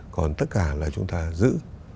còn tất cả là chúng ta giữ